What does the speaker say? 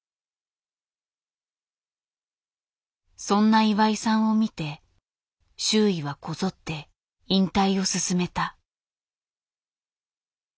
そんな岩井さんを見て周囲はこぞって引退を勧めた。